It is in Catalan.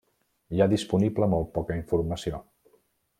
Hi ha disponible molt poca informació.